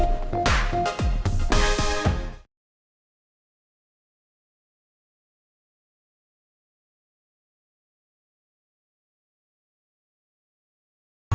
rencana kita ini berhasil ya